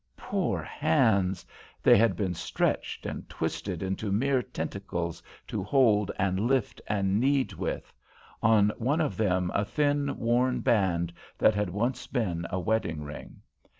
Poor hands! They had been stretched and twisted into mere tentacles to hold and lift and knead with; on one of them a thin, worn band that had once been a wedding ring.